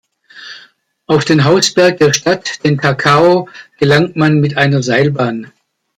Auf den Hausberg der Stadt, den Takao, gelangt man mit einer Seilbahn.